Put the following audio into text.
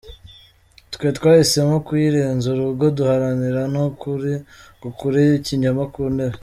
Twe twahisemo kuyirenza urugo duharanira ko ukuri gukura ikinyoma ku ntebe.